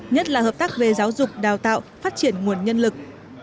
nhất là hợp tác về giáo dục đào tạo phát triển nguồn nhân lực